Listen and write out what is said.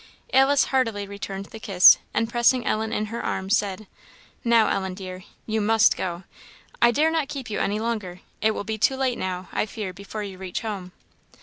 Alice heartily returned the kiss, and pressing Ellen in her arms, said "Now Ellen, dear, you must go; I dare not keep you any longer. It will be too late now, I fear, before you reach home."